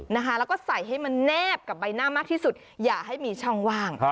แล้วก็ใส่ให้มันแนบกับใบหน้ามากที่สุดอย่าให้มีช่องว่าง